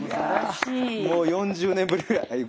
もう４０年ぶりぐらい５０年か。